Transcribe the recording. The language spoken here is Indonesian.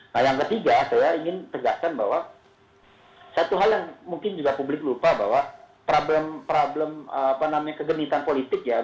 nah yang ketiga saya ingin tegaskan bahwa satu hal yang mungkin juga publik lupa bahwa problem kegenitan politik ya